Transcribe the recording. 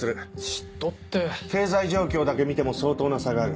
経済状況だけ見ても相当な差がある。